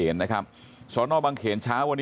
ลูกสาวหลายครั้งแล้วว่าไม่ได้คุยกับแจ๊บเลยลองฟังนะคะ